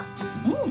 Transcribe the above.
うん。